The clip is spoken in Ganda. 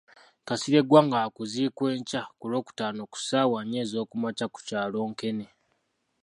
Kasirye Gwanga wakuziikwa enkya ku Lwokutaano ku ssaawa nnya ezookumakya ku kyalo Nkene.